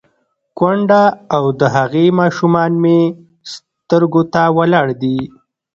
_کونډه او د هغې ماشومان مې سترګو ته ولاړ دي.